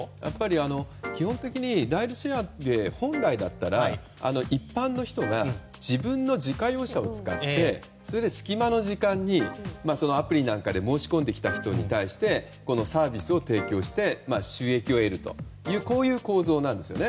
基本的にライドシェアって本来なら一般の人が自分の自家用車を使ってそれで隙間の時間にアプリなんかで申し込んできた人に対してこのサービスを提供して収益を得るとこういう構造なんですよね。